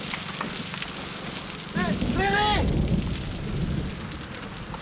kamu udah pulang kerja